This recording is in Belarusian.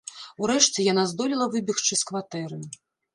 Урэшце яна здолела выбегчы з кватэры.